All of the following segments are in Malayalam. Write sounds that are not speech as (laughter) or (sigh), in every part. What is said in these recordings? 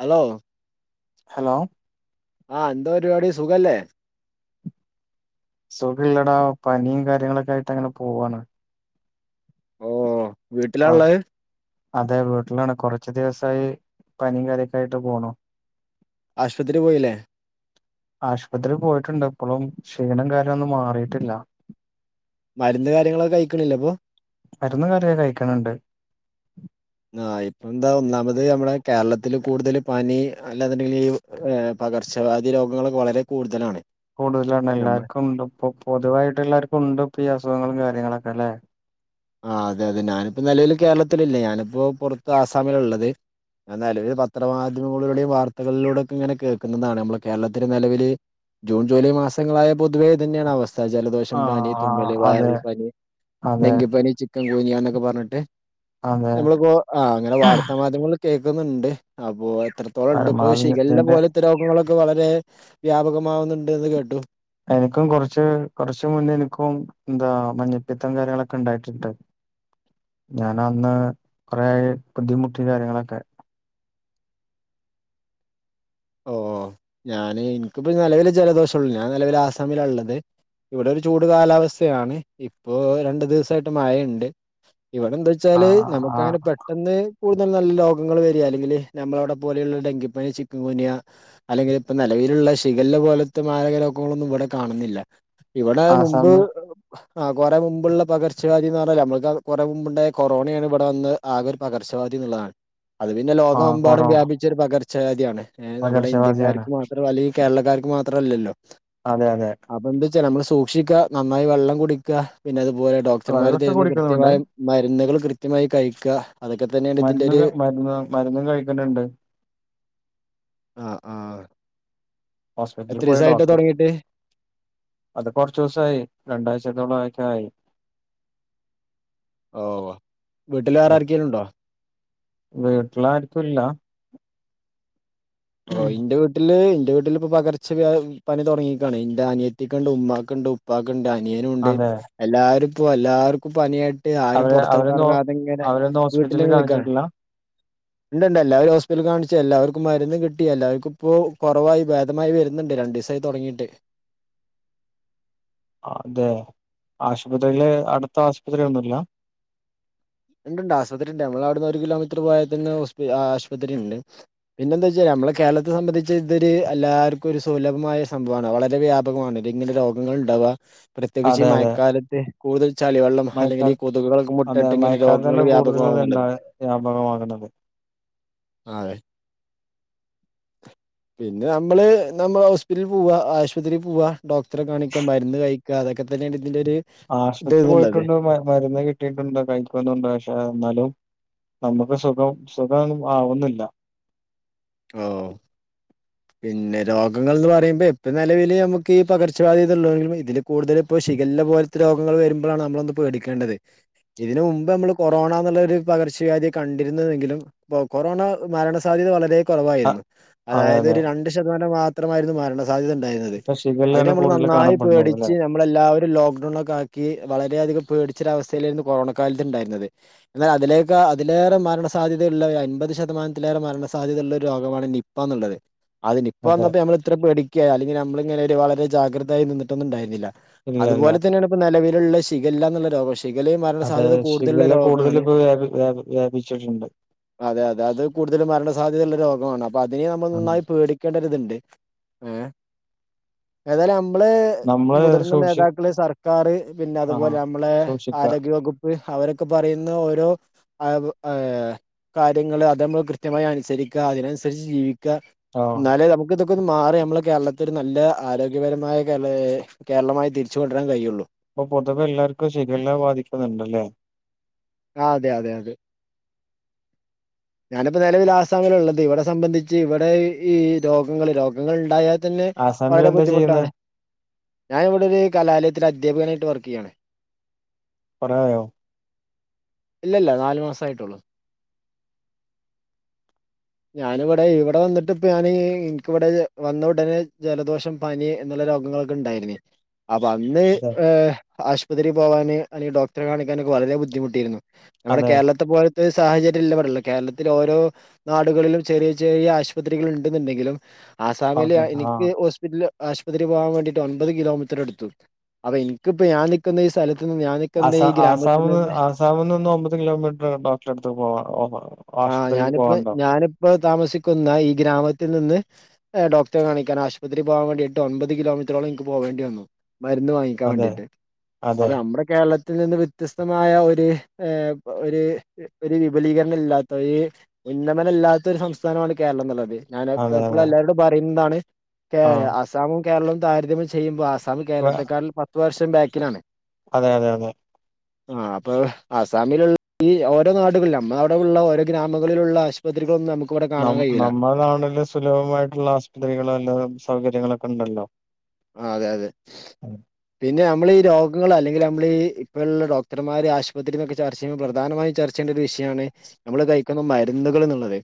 ഹലോ ഹലോ ആഹ് എന്തോ പരിപാടി സുഖല്ലേ സുഖമില്ലടാ പനിയും കാര്യങ്ങളൊക്കെ ആയിട്ട് അങ്ങനെ പോവുവാണ് ഓഹ് വീട്ടിലാ കൊറ ഉള്ളത് അതെ വീട്ടിലാണ് കൊറച്ച് ദിവസായി പനിയും കാര്യക്കെ ആയിട്ട് പോണു ആശുപത്രി പോയില്ലേ ആശുപത്രീൽ പോയിട്ടുണ്ട് ഇപ്പൊളും ക്ഷീണം കാര്യോന്നും മാറീട്ടില്ല മരുന്ന് കാര്യങ്ങളൊക്കെ കഴിക്കണില്ലേ അപ്പൊ മരുന്ന് കര്യക്കെ കഴിക്കണുണ്ട് ആഹ് ഇപ്പ എന്താ ഒന്നാമത് നമ്മുടെ കേരളത്തില് കൂടുതൽ പനി അല്ലാന്നിണ്ടെങ്കില് ഏഹ് പകർച്ച വ്യാധി രോഗങ്ങളൊക്കെ വളരെ കൂടുതലാണ് കൂടുതലാണ് നമ്മ എല്ലാർക്കും ഉണ്ട് ഇപ്പൊ പൊതുവായിട്ട് എല്ലാർക്കും ഉണ്ട് ഇപ്പൊ ഈ അസുഖങ്ങളും കാര്യങ്ങളൊക്കെ അല്ലെ ആഹ് അതെ അതെ ഞാനിപ്പോ നിലവില് കേരളത്തില് ഇല്ല ഞാനിപ്പോ പൊറത്ത് ആസാമിലാ ഉള്ളത് ഞാൻ നെലവില് പത്ര മാധ്യമങ്ങളിലൂടെയും വാർത്തകളിലൂടെയൊക്കെ ഇങ്ങനെ കേക്കുന്നതാണ് നമ്മളെ കേരളത്തിന് നെലവില് ജൂൺ ജൂലൈ മാസങ്ങളായ പൊതുവെ ഇതന്നെയാണ് അവസ് സ്ഥ ജലദോഷം ആഹ് പനി തുമ്മൽ ആഹ് അതെ വയറൽ പനി അതെ ഡെങ്കി പനി ചിക്കൻ ഗുനിയാ എന്നൊക്കെ പറഞ്ഞിട്ട് അതെ നമ്മള് ഗോ അങ്ങനെ വാർത്ത മാധ്യമങ്ങള് കേക്കുന്നുണ്ട് അപ്പോ എത്രത്തോളം ഉണ്ട് ഇപ്പൊ പരമാവധി ഷിഗല്ല ഇതിന്റെ പോല ത്ത രോഗങ്ങളൊക്കെ വളരെ വ്യാപകമാവുന്നുണ്ട് എന്ന് കേട്ടു എനിക്കും കൊറച്ച് കൊറച്ച് മുന്നെ എനിക്കും എന്താ മഞ്ഞപ്പിത്തം കാര്യങ്ങളൊക്കെ ഇണ്ടായിട്ടുണ്ട് ഞാനന്ന് കൊറെ ബുദ്ധിമുട്ടി കാര്യങ്ങളൊക്കെ ഓഹ് ഞാന് എനിക്കിപ്പ നെലവില് ജലദോഷം ഉള്ളൂ ഞാൻ നെലവില് ആസാമിലാ ഉള്ളത് ഇവിടെ ഒരു ചൂട് കാലാവസ്ഥയാണ് ഇപ്പോ രണ്ടു ദിവസായിട്ട് മഴയുണ്ട് ഇവിടെന്താ ആ എന്താച്ചാല് നമുക്ക് ആ അങ്ങനെ പെ ട്ടെന്ന് കൂടുതല് നല്ല രോഗങ്ങൾ വരിക അല്ലെങ്കിൽ നമ്മള അവിടെ പോലെയുള്ള ഡെങ്കിപ്പനി ചി ഗുനിയ അല്ലെങ്കില് ഇപ്പ നിലവിലുള്ള ശിഗല്ല പോലത്തെ മാരക ലോകങ്ങളൊന്നും ഇവിടെ കാണുന്നില്ല ഇവടാ മുൻപ് ആസാമ് ആഹ് കൊറെ മുമ്പുള്ള പകർച്ചവ്യാധി എന്ന് പറഞ്ഞാല് അമ്മക്ക് കൊറേ മുൻപുണ്ടയ കൊറോണയാണ് ഇവിടെ വന്ന് ആകെ ഒരു പകർച്ചവ്യാദി എന്നുള്ളതാണ് അത് പിന്നെ ആ ലോകമെമ്പാടും കൊറോ വ്യാപിച്ച ഒരു പകർച്ച വ്യാധി ആണ് ഏഹ് നമ്മുടെ പകർച്ചവ്യാധിയാണ് ഇന്ത്യക്കാർക്ക് മാ അല്ലെങ്കി കേരള ക്കാർക്ക് മാത്രല്ലല്ലോ അതെ അതെ അപ്പൊ എന്ത്‌ വെച്ചാ നമ്മള് സൂക്ഷിക്ക നന്നായി വെള്ളം കുടിക്കുക പിന്നെ അതു പോലെ ഡോക്ടർമാര് വെള്ളൊക്കെ തരുന്ന കുടിക്കുന്നുണ്ട് കൃത്യമായും മരുന്നുകൾ കൃത്യമായി കഴിക്കുക അതൊക്കെ ത മരുന്ന് ക മരുന്ന് മരുന്ന് കഴിക്കണ് ണ്ട് ആഹ് ആഹ് ഹോസ്പിറ്റലിൽ പോയി എത്രേസായിട്ട് ഡോക്ടർ തൊടങ്ങീട്ട് അത് കൊറച്ച് ദിവസായി രണ്ടാഴ്ചത്തോളം ഒക്കെ ആയി ഓ വീട്ട്ല് വേറെ ആക്കേലുണ്ടോ വീട്ടിലാർക്കുല്ല ഓ ഇന്റെ വീ ട്ടില് ഇന്റെ വീട്ടില് ഇപ്പൊ പകർച്ച വ്യാ പനി തുടങ്ങീക്കാണ് ഇന്റെ അനിയത്തിക്ക്ണ്ട് ഉമമാക്ക്ണ്ട് ഉ പ്പാക്ക്ണ്ട് അനിയനുണ്ട് അതെ എല്ലാരുപ്പോ എല്ലാർക്കുപ്പ പനിയായി ട്ട് ആരും അവര് അവരൊന്നും ഹോ- പൊറത്ത്ക്കറങ്ങാതെങ്ങനെ അവരൊന്നും ഹോസ്പിറ്റലിൽ വീട്ടില്ങ്ങ് നിക്കാണ് കാണിച്ചിട്ടില്ല ഇണ്ട് ഇണ്ട് എല്ലാരും ഹോസ്പിറ്റല് കാണിച്ച് എല്ലാവർക്കും മരുന്ന് കി ട്ടി എല്ലാവർക്ക്പ്പോ കൊറവായി ഭേദമായി വരുന്നുണ്ട് രണ്ടീസായി തൊടങ്ങീട്ട് അതെ ആശുപത്രീല് അടുത്ത് ആശുപത്രിന്നുല്ല ഇണ്ട്ഇണ്ട് ആശുപത്രി ഇണ്ട് ഞങ്ങളവിട്ന്ന് ഒരു കിലോമീറ്റർ പോയാതന്നെ ആശുപത്രി ഇണ്ട് പിന്നെന്താച്ചാല് അമ്മളെ കേരളത്തെ സംബന്ധിച്ച് ഇതൊരു എല്ലാര്ക്കൊര് സുലഭമായ സംഭവാണ് വളരെ വ്യപ കമാണ് ഇങ്ങനെ രോഗങ്ങള് ഇണ്ടാവാ പ്രത്യേകിച്ച് ഇ അതെ അതെ മഴക്കാലത്ത് കൂടുതൽ ചളിവെള്ളം അല്ലെങ്കില് ഈ കൊതുകുകളൊക്കെ മുട്ട മഴക്കാലത്താണ് കൂടുതല് ഇത്ണ്ടാ വ്യാപകമാക്ന്നത് അതെ പിന്നെ നമ്മള് നമ്മള് ഹോസ്പിറ്റലിൽ പോവാ ആശുപത്രി പോവാ ഡോക്ടറെ കാണിക്കാ മരുന്ന് കഴി ക്കാ അതൊക്കെ തന്നെണ് ഇതിന്റെരു ആശുപത്രി പോയിട്ടുണ്ടോ മരുന്ന് കി കിട്ടിട്ടുണ്ട് കഴിക്കുന്നുണ്ട് പക്ഷെ എന്നാലും നമുക്ക് സുഖം സുഖം ആവുന്നില്ല ഓഹ് പിന്നെ രോഗങ്ങൾ എന്ന് പറയുമ്പോ ഇപ്പൊ നിലവില് നമുക്ക് ഈ പകർച്ചവ്യാധി ഉള്ളൊങ്കിലും ഇതില് കൂടുതല് ഇപ്പോ ശിഖല്ല പോലത്തെ രോഗങ്ങള് വരുമ്പഴാണ് നമ്മളൊന്ന് പേടിക്കേണ്ടത് ഇതിന് മുമ്പ് നമ്മള് കൊറോണ എന്നുള്ളൊരു പകർച്ചവ്യാധിയ കണ്ടിരുന്നുവെങ്കിലും ഇപ്പൊ കൊറോണ മരണ സാധ്യത വളരെ അ കുറവായിരുന്നു അതായ അതെ അതെ രണ്ട് ശതമാനം മാത്രളായിരുന്നു മരണ സാധ്യത ഉണ്ടായിരുന്നത് ഇപ്പൊ അതിന ശിഖല്ലയാണ് നമ്മള് കൂടുതൽ നന്നായി കാണപ്പെടുന്നത് അല്ലെ പേടിച്ച് നമ്മളല്ലാവരും ലോക്ക്ഡൗണൊക്കെ ആക്കി വളരെയധികം പേടിച്ചൊരു അവസ്ഥയിലായിരുന്നു കൊറോണ കാലത്ത് ഇണ്ടായിരുന്നത് എന്നാ അതിലേക്കാ അതിലേറെ മരണ സാധ്യതയുള്ള ഒരു അൻപത് ശതമാനത്തിലേറെ മരണ സാധ്യതയള്ള ഒരു രോഗമാണ് നി പ്പാ ന്ന്ള്ളത് അത് നിപ്പ അതെ വന്നട്ട് നമ്മള് ഇത്ര പേടിക്കേ അല്ലെങ്കി നമ്മളിങ്ങനൊര് വളരെ ജാഗ്രതയായി നിട്ടൊന്നുംണ്ടായിരുന്നില്ല ഇല്ല ഇല്ല അതുപോലെ തന്നെയാണ് ഇപ്പ നിലവിലുള്ള ശിഖല്ലന്നുള്ള രോഗഷ് ശിഖല്ലയും മരണ അതെ സാധ്യത കൂടുതലുള്ള ശിഖല്ല കൂടുതൽ രോഗാണ് ഇപ്പോ വ്യാപി വ്യാപി വ്യാപിച്ചിട്ടുണ്ട് അതെ അതെ അത് കൂടുതലും മരണ സാധ്യതയുള്ള രോഗമാണ് അപ്പൊ അതിനെ നമ്മൾ ഉം. നന്നായി പേടിക്കേണ്ടരിത്ണ്ട് ഏഹ് ഏതാലും അമ്മള് നമ്മള് മുതിർന്ന സൂക്ഷി നേതാക്കള് സർക്കാറ് പിന്നെ ആഹ് അതുപോലെ അമ്മളെ സൂക്ഷിക്ക ആരോഗ്യവകു പ്പ്‌ അവരൊക്കെ പറയുന്ന ഓരോ ആതു ഏഹ് കാര്യങ്ങള് അത് നമ്മള് കൃത്യമായി അനുസരിക്ക അതിനനുസരിച്ച് ജീവിക്കാ ആഹ് ഇന്നാല് നമുക്ക് ഇതൊക്കെ ഒന്ന് മാറി അമ്മളെ കേരളത്തില് ഒരു നല്ല ആരോഗ്യപരമായ കേരള കേരളമായി തിരിച്ചുകൊണ്ടരാൻ കഴിയുള്ളൂ ഇപ്പൊ പൊതുവെ എല്ലാർക്കും ശിഖല്ല ബാധിക്കുന്നുണ്ട്ല്ലേ ആഹ് അതെ അതെ അതെ ഞാനിപ്പോ നിലവില് ആസാമിലാള്ളത് ഇവിടെ സംബന്ധിച്ച് ഇവിടെ ഈ രോഗങ്ങൾ രോഗങ്ങൾ ഇണ്ടായാ തന്നെ ആസാമിൽ വളരെ എന്താ ചെയ്യുന്നെ ബുദ്ധിമുട്ടാണ് ഞാനിവിടെ ഒരു കലാലയത്തില് അധ്യാപകനായിട്ട് വർക്കയ്യാണ് കൊറേആയോ ഇല്ല ഇല്ല നാല് മാസായിട്ടൊള്ളൂ ഞാനിവടെ ഇവടെ വന്നിട്ട് ഇപ്പ ഞാന് ഇൻക്ക് ഇവടെ വന്ന ഉടനെ ജലദോഷം പനി എന്നുള്ള രോഗങ്ങളൊക്കെ ഇണ്ടായിനി അപ്പൊ അന്ന് അതെ ഏഹ് ആശുപത്രി പോവാന് അല്ലെങ്കി ഡോക്ടറെ കാണിക്കാനൊക്കെ വളരെ ബുദ്ധിമുട്ടിരുന്നു നമ്മടെ അതെ കേരളത്തെ പോലത്തൊരു സാഹചര്യല്ല ഇവടെള്ള കേരളത്തില് ഓരോ നാടുകളിലും ചെറിയ ചെറിയ ആശുപത്രികൾ ഉണ്ടെന്നുണ്ടെങ്കിലും ആസാമിൽ ഓക്കെ ആഹ് എനിക്ക് ഹോസ് പിറ്റ്ല് ആശുപത്രിൽ പോകാൻ വേണ്ടിട്ട് ഒമ്പത് കിലോമീറ്റർ എടുത്തു അപ്പൊ എനിക്കിപ്പോ ഞാൻ നിക്കുന്ന ഈ സ്ഥല ത്ത്ന്ന് ഞാൻ നിക്കുന്ന ഈ ഗ്രാമത്തിൽ നിന്നന്നെ ടൗണിന്ന് ഒമ്പത് കിലോമീറ്റർ ഡോക്ടൻ്റെ അടുത്ത് പോവാ ഓ ആഹ് ഞാനിപ്പോ ഞാനിപ്പോ താമസിക്കുന്ന ഈ ഗ്രാമത്തിൽ നിന്ന്. ഏഹ് ഡോക്ടറെ കാണിക്കൻ ആശുപത്രി പോവാൻ വേണ്ടിട്ട് ഒമ്പപത് കിലോമീറ്റോളം എനിക്ക് പോകേണ്ടി വന്നു മരുന്ന് വാങ്ങി ക്കാൻ അതെ വേണ്ടിട്ട് അതെ അത് അമ്ള് കേരളത്തിൽ നിന്ന് വ്യത്യസ്തമായ ഒര് ഏഹ് ഒര് ഒര് വിപുലീകരണം ഇല്ലാ ഇപ്പൊ ഈ ഉന്നമനല്ലാത്ത ഒരു സംസ്ഥാനമാണ് കേരളം എന്നുള്ളത്. ഞാൻ അതെ എപ്പോഴും അതെ എല്ലാവരോടും. പറയുന്നതാണ്, കേ ആ അസാമും കേരളവും താരതമ്യം ചെയ്യുമ്പോ ആസ് സാമ് വ- കേരളത്തെക്കാൾ പത്ത് വർഷം ബാക്കിലാണ്. അതെ അതെ അതെ ആഹ് അപ്പൊ അസാമിലുള്ള ഈ ഓരോ നാടുകളില് നമ്മ അവിടെ ഉള്ള ഓരോ ഗ്രാമങ്ങളിലുള്ള ആശ് പത്രികളന്നും നുക്ക് ഇവിടെ കാണാൻ കയ്യൂല്ല. അതണല്ലെസ് സുലഭമായിട്ടുള്ള ആശുപത്രികളോ എല്ലാം സൗകര്യങ്ങളൊക്കെണ്ടല്ലോ. ആഹ് അതെ അതെ പിന്നെ നമ്മളീ രോഗങ്ങൾ അല്ലെങ്കിൽ നമ്മൾ ഇപ്പോൾ ഡോക്ടർമാർ ആശുപത്രിന്നൊക്കെ ചർച്ചയ്യുമ്പോ പ്രധാനയും ചർ ച്ചണ്ടര് വിഷയാണ് നമ്മള് കഴിക്കുന്ന മരുന്നുകൾ ന്നുള്ളത്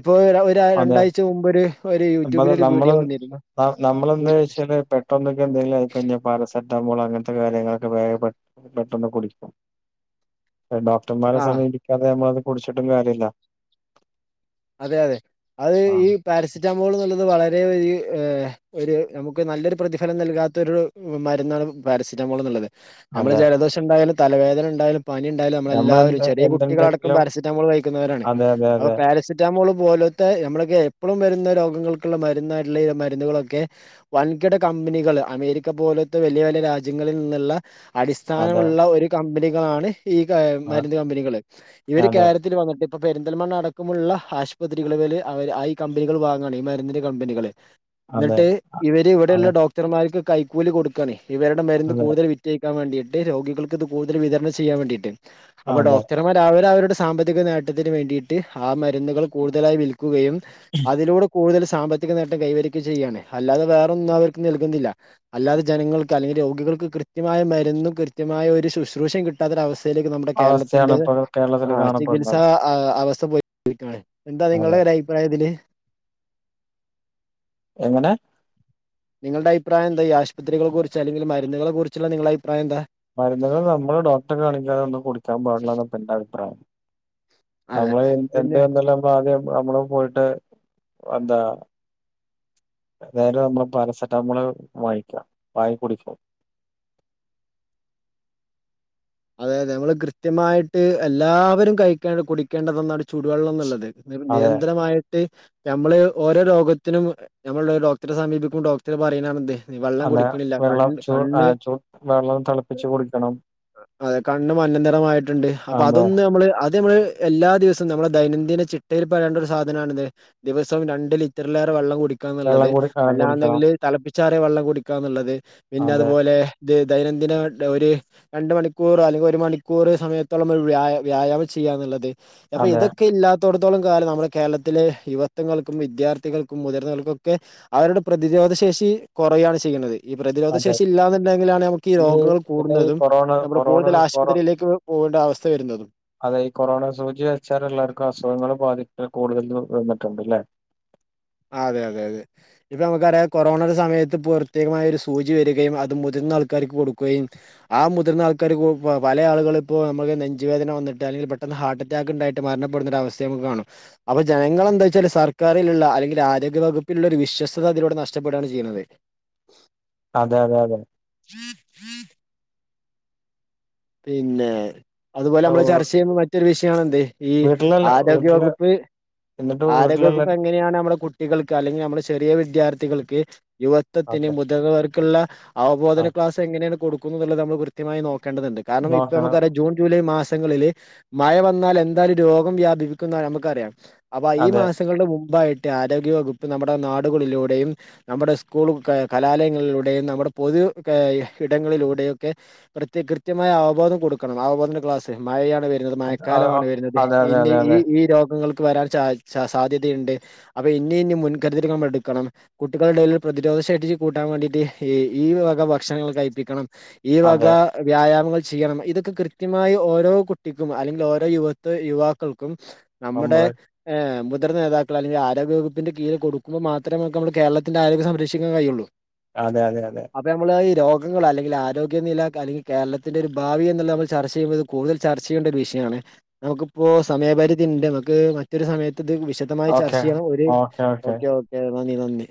ഇപ്പോ രാ അതെ രണ്ടാഴ്ച മുമ്പരു ഒരു അപ്പ അത് യൂട്യൂബില് ഒരു നമ്മള് വീഡിയോ വന്നിരുന്നു. യൂ പ്പമ്മക്കെന്തെലും (unintelligible) പാരസ ട്ടമോള അങ്ങൻത്തെ കാര്യങ്ങളൊക്കെ വേഗം പെ പെട്ടന്ന് കുടിക്കും എഹ് ഡോ ട്ടന്മാരെ ആഹ് സമീപിക്കാതെ നമ്മള് അത് കുടിച്ചിട്ടും കാര്യല്ല. അതെ അതെ അത് ആ ഈ പാരസെറ്റാമോൾ എന്നുള്ളത് വളരെ ഒരു ഏഹ് ഒരു നമുക്ക് നല്ലൊരു പ്രതിഫലം നൽകാത്തൊരു മരുന്നാണ് പാരസെറ്റമോള് എന്നുള്ളത്, നമ്മള് അതെ ജലദോഷം ണ്ടായാലും, തലവേദനണ്ടായാലും. പനിണ്ടായാലും നമ്മൾ നമ്മളെല്ലാവരും എന്ത് ചെറിയ കുട്ടികളടക്കം എന്തുണ്ടെങ്കിലും പാരസെറ്റാമോൾ കഴിക്കുന്നവരാണ് അതെ അതെ അപ്പൊ അതെ പാരസി സറ്റാമോൾ പോലോത്തെ നമ്മളൊക്കെ എപ്പളും വരുന്ന രോഗങ്ങൾക്ക്ള്ള മരുന്നായിട്ട്ള്ള മരുന്നുകളൊക്കെ വൻകിട കമ്പനികള് അമേരിക്ക പോലോത്ത വലിയ വലിയ രാജ്യങ്ങളിൽ നിന്ന്ള്ള. അതെ അടിസ്ഥാനമുള്ള ഒരു കമ്പനികളാണ്. ഈ ആ മരുന്ന് കമ്പനികള് ഇവര് അതെ കേരത്തിൽ വന്നിട്ട് ഇപ്പൊ പെരിന്തൽമണ അടക്കമുള്ള ആശുപത്രികള് ഇവല് അവര് ഈ കമ്പനികള് വാങ്ങാണ് ഈ മരുന്നിന്റെ കമ്പനികള്. അതെ ഇന്നിട്ട് ഇവര് ഇവിടെള്ള അതെ ഡോക്ടർമാർക്ക് കൈക്കൂലി കൊടുക്കാണെ ഇവര്ടെ മരുന്ന് അതെ കൂടുതല് വി റ്റൊഴിക്കാൻ വേണ്ടീട്ട് രോഗികൾക്കിത് കൂടുതല് വിതരണം ചെയ്യാൻ വേണ്ടീട്ട്, അപ്പൊ അതെ ഡോക്ടർമാർ അവര് അവരുടെ സാമ്പത്തിക നേട്ടത്തിന് വേണ്ടിയിട്ട് ആഹ് മരുന്നുകള് കൂടുതലായി വിൽ ക്കുകയും അതിലൂടെ കൂടുതല് സാമ്പ കനേട്ടം കൈവരിക്കും ചെയ്യാണ് അല്ലാതെ വേറൊന്നും അവർക്ക് നൽകുന്നില്ല. അല്ലാതെ ജനങ്ങൾക്ക് അല്ലെങ്കി രോഗികൾക്ക് കൃത്യമായ മരുന്നും കൃത്യമായ ഒരു ശുശ്രൂഷയും കി കിട്ടാത്തൊര അവസ്ഥയിലേക്ക് നമ്മടെ അവസ്ഥയാണ് കേരളത്തിന്റെ ഇപ്പൊ കേരളത്തില് ആഹ് കാണപ്പെടുന്നത്. ചികിത്സാ ആഹ് അവസ്ഥ പോയിക്കൊണ്ടിരിക്കാണ് എന്ത നിങ്ങളുടെ അതെ ഒരു അഭിപ്രായം ഇതില്. എങ്ങനെ? നിങ്ങൾടെ അഭിപ്രായെന്ത എന്ത ഈ ആശുത്രികളെ കുറിച്ച് അല്ലെങ്കില് മരുന്നുകളെ കുറിച്ച്ള്ള നിങ്ങള്ടെ അഭിപ്രായെന്താ മരുന്നുകള് നമ്മള് ഡോക്ടറെ കാണികാതെ ഒന്നും കുടിക്കാൻപാടില്ലാന്ന ഇന്റെ അഭിപ്രായം. അതെ നമ്മള് പിന്നെ എന്ത് എന്തെല്ലാം ആദ്യം നമ്മള് പോയിട്ട് എന്താ നേരെ നമ്മള പാരസെറ്റാമോള് വാങ്ങിക്ക വാങ്ങി കുടിക്കും. അതെ അതെ നമ്മള് കൃത്യമായിട്ട് എല്ലാവരും കഴിക്കേണ്ട കുടിക്കേണ്ട ഒന്നാണ് ചുടുവെള്ളംന്നുള്ളത്. അതെ നിരന്തരമായിട്ട്. നമ്മള് ഓരോ രോഗത്തിനും ഞമ്മൾ ഡോക്ടറെ സമീപിക്കും ഡോക്ടർ പറ്യീണാണിത്. അതേ വെള്ളം ചൂ ഏഹ് ചൂ വെള്ളം തെളപ്പിച്ച് കുടിക്കണം. അതെ കണ്ണ് മഞ്ഞനിറം ആയിട്ടുണ്ട്. അപ്പൊ അതെ അതൊന്ന് നമ്മള് അത് നമ്മള് എല്ലാ ദിവസവും നമ്മടെ ദൈനംദിന ചിട്ടയില് പയേണ്ട ഒരു സാധനാണിത്. ദിവസവും രണ്ട് ലിറ്ററിലേറെ വെള്ളം കുടിക്കണംന്ന്ള്ളത്. വെള്ളം കുടി ആ കുടിക്കണം അല്ലാണ്ടെങ്കില് തളപ്പിച്ചാറിയ വെള്ളം കുടിക്കാന്ന്ള്ളത്. പിന്നെ അതെ അതുപോലെ ത് ദൈനംദിന ഒര് രണ്ട് മണിക്കൂർ അല്ലെങ്കി ഒരു മണിക്കൂർ സമയത്തോളം ഒരു വ്യായ വ്യായാമം ചെയ്യാന്ന്ള്ളത്. അപൊ അതെ ഇതൊക്കെ ഇല്ലാ അടത്തോളം കാലം നമ്മുടെ തൊട്ത്തോളം കാലം നമ്മടെ കേരളത്തില് യുവത്വങ്ങൾക്കും. വിദ്യാർത്ഥികൾക്കും മുതിർന്നവർക്കൊക്കെ അവര്ടെ പ്രതിരോധ ശേഷി കൊറയാണ് ചെയ്യ്ണത്. ഈ പ്രതിരോധ അതെ ശേഷി ഇല്ലാന്നുണ്ടെങ്കിലാണ് നമുക്ക് ഈ പിന്നെ രോഗങ്ങള് പിന്നെ ഈ കൂടുന്നതും. കൊറോണ നമ്മള് കൊറോണ കൂടുതല് കൊറോ ആശുപത്രിയിലേക്ക്. പോവണ്ട അവസ്ഥ വര്ന്നതും. അതെ ഈ കൊറോണ സൂചി വെച്ചാല് എല്ലാർക്കും അസുഖങ്ങള് ബാധിക്കൽ കൂടുതല് വന്നിട്ടുണ്ട്. ലെ ആഹ് അതെ അതെ അതെ ഇപ്പൊ നമ്മക്കറിയാം കൊറോണയുടെ സമയത്ത് പ്രത്യേകമായ ഒരു സൂചി വരികയും അത് മുതിർന്ന ആൾക്കാർക്ക് കൊടുക്കുകയും. ആഹ് മുതിർന്ന ആൾകാർ പല ആളുകള് ഇപ്പൊ നമ്മക്ക് നെഞ്ച് വേദന വന്നിട്ട് അല്ലെങ്കില് പെട്ടെന്ന് ഹാർട്ട് ണ്ടായിട്ട് മരണപ്പെടുന്ന ഒരു അവസ്ഥ നമുക്ക് കാണും അപ്പൊ ജനങ്ങളെന്താ വെച്ചാല് സർക്കാരില്ള്ള അല്ലെങ്കി ആരോഗ്യവകുപ്പിലുള്ള ഒരു വിശ്വസ്ത അതിലൂടെ നഷ്ടപ്പെടാണ് ചിയ്യ്ണത്. അതെ അതെ അതെ ഉം പിന്നേ അതുപോലെ ഓ നമ്മള് ചർച്ച ചെയ്യ്ന്ന മറ്റൊരു വിഷയാണ് എന്ത് ഈ വീട്ടിലല്ല ആരോഗ്യ വീട്ടില് വകുപ്പ്. എന്നിട്ട് ആരോഗ്യ വീട്ടിലല്ല വകുപ്പ് എങ്ങനെയാണ് നമ്മടെ കുട്ടികൾക്ക് അല്ലെങ്കി നമ്മള ചെറിയ വിദ്യാർത്ഥികൾക്ക്. യുവ മൊത്തത്തില് അതെ മുതിർന്നവർക്ക്ള്ള ആ അവബോധന ക്ലാസ് എങ്ങനേണ് കൊട്ക്കുന്നുന്ന്ള്ളത് നമ്മൾ കൃത്യമായി നോക്കേണ്ടതുണ്ട്. കാരണം ഇപ്പം നോക്കണം നമുക്കറിയാം ജൂൺ ജൂലൈ മാസങ്ങളില്. മഴ വന്നാസ് എന്തായാലും രോഗം വ്യാപിപ്പിക്കുന്നറിയ നമുക്കറിയ അപ്പ ഈ അതെ മാസം ദിസങ്ങളുടെ മുമ്പായിട്ട് ആരോഗ്യവകുപ്പ് നമ്മുടെ നാടുകളിലൂടെയും. നമ്മുടെ സ്കൂൾ കലാലയങ്ങളിലൂടെയും നമ്മുടെ പൊതു ഇടങ്ങളിലൂടെയും. ഒക്കെ കൃത്യ കൃത്യമായ അവബോധം കൊടുക്കണം അവബോധന ക്ലാസ് മഴയാണ്. വരു ന്നത് അത് ആ ആ മഴക്കാലമാണ് വരുന്നത്. അതെ അതെ ഇനി അതെ ഈ അതെ ഈ രോഗങ്ങൾക്ക് വരാൻ സ സാധ്യതയുണ്ട്. അപ്പൊ ഇനി ഇനി മുൻകരുതൽ മ്മൾ എടുക്കണം. കുട്ടികളുടെ ഇടയിൽ പ്രതിരോധ ശേഷി കൂട്ടാൻ വേണ്ടിട്ട് ഈ വക ഭക്ഷണങ്ങൾ കഴിപ്പിക്കണം. ഈവക. അതെ വ്യായാമങ്ങൾ ചെയ്യണം ഇതൊക്കെ കൃത്യമായി ഓരോ കുട്ടിക്കും. അല്ലെങ്കിൽ ഓരോ യുവത്ത യുവാക്കൾക്കും. നമ്മുടെ നമ്മള് മുതിർ നേതാക്കൾ അല്ലെങ്ക ആരോഗ്യ വകുപ്പിന്റെ കീഴ കൊടുക്കുമ്പോ മാത്രമേമ നമ്മള് കേരളത്തിന്റെ ആരോഗ്യം സംരക്ഷിക്കാൻ കഴിയുള്ളൂ. അതെ അതെ അതെ അപ്പൊ നമ്മള് ഈ രോഗങ്ങൾ അല്ലെങ്കിൽ ആരോഗ്യനില അല്ലെങ്കിൽ കേരളത്തിന്റെ ഒരു ഭാവി എന്ന നമ്മൾ ചർച്ച കൂടുതൽ ചർച്ച ചെയ്യേണ്ട ഒരു വിഷയാണ്. നമുക്കിപ്പോ സമയപരിധി ഉണ്ട് നമുക്ക് മറ്റൊരു സമയത്ത് ഇത് വിശ വ്യക്തമായിചർച്ച ഓക്കെ ചെയ്യണം ഒരു ഓക്കെ ഓക്കെ നന്ദി നന്ദി.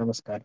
നമസ്കാരം.